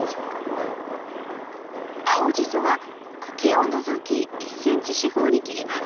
青じそは茎を除き１ｃｍ四方に切ります。